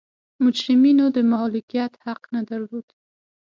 مجرمینو د مالکیت حق نه درلود.